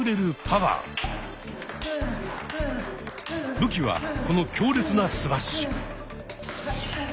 武器はこの強烈なスマッシュ。